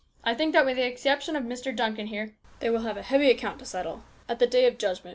I think that, with the exception of Mr. Duncan here, they will have a heavy account to settle at the day of judgment.